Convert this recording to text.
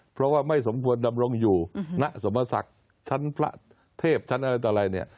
เพราะว่าไม่สมควรดำรงอยู่ณสมศักดิ์ชั้นพระเทพชั้นอะไรต่ออะไรเนี่ย